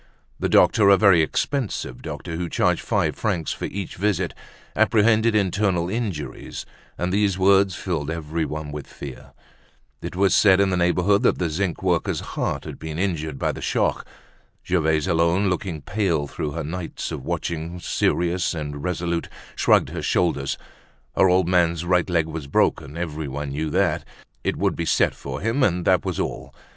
The doctor—a very expensive doctor, who charged five francs for each visit—apprehended internal injuries, and these words filled everyone with fear. It was said in the neighborhood that the zinc worker's heart had been injured by the shock. Gervaise alone, looking pale through her nights of watching, serious and resolute, shrugged her shoulders. Her old man's right leg was broken, everyone knew that; it would be set for him, and that was all.